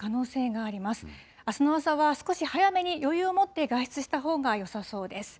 あすの朝は少し早めに余裕をもって外出したほうがよさそうです。